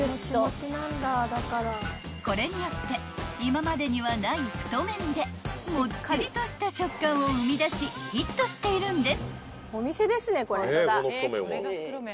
［これによって今までにはない太麺でもっちりとした食感を生み出しヒットしているんです］